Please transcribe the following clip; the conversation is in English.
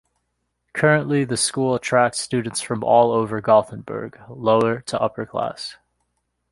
Currently, the school attracts students from all over Gothenburg; lower to upper class.